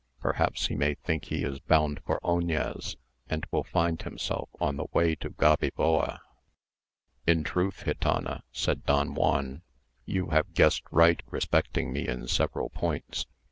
Perhaps he may think he is bound for Oñez, and will find himself on the way to Gaviboa." "In truth, gitana," said Don Juan, "you have guessed right respecting me in several points.